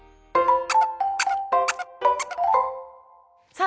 さあ